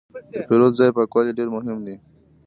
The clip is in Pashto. د پیرود ځای پاکوالی ډېر مهم دی.